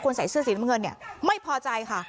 ใส่เสื้อสีน้ำเงินเนี่ยไม่พอใจค่ะ